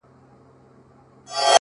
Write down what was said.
زه په دې افتادګۍ کي لوی ګَړنګ یم!!